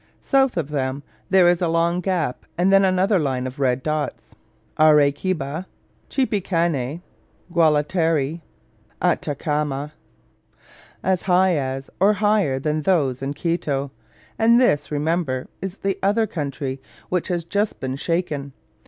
South of them again, there is a long gap, and then another line of red dots Arequiba, Chipicani, Gualatieri, Atacama, as high as, or higher than those in Quito; and this, remember, is the other country which has just been shaken.